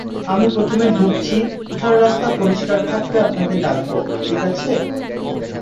আমি প্রথমে ঢুকছি, উঠার রাস্তা পরিষ্কার থাকলে আপনাকে ডাকবো, ঠিক আছে?